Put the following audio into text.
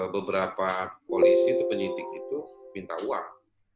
beberapa polisi itu penyintik itu minta uang